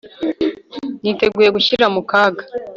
niteguye gushyira mu kaga